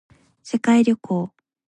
世界旅行